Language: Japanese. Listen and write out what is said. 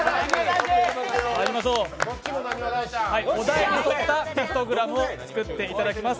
お題に沿ったピクトグラムを作っていただきます。